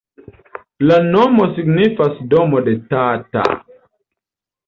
La nomo signifas domo de Tata.